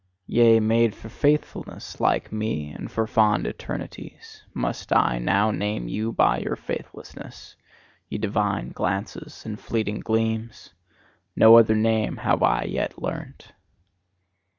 Yea, made for faithfulness, like me, and for fond eternities, must I now name you by your faithlessness, ye divine glances and fleeting gleams: no other name have I yet learnt.